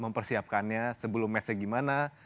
mempersiapkannya sebelum matchnya gimana